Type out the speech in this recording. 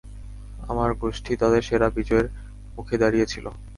আমার গোষ্ঠী তাদের সেরা বিজয়ের মুখে দাঁড়িয়েছিল।